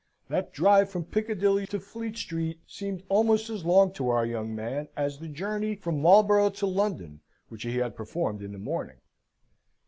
That drive from Piccadilly to Fleet Street seemed almost as long to our young man, as the journey from Marlborough to London which he had performed in the morning.